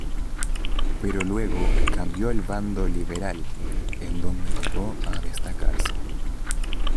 Pero luego cambió al bando liberal, en donde llegó a destacarse.